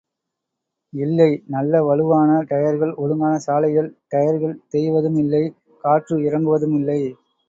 இல்லை, நல்ல வலுவான டயர்கள் ஒழுங்கான சாலைகள் டயர்கள் தேய்வதும் இல்லை காற்று இறங்குவதும் இல்லை.